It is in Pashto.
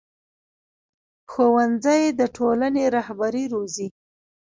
ښوونځی د ټولنې رهبري روزي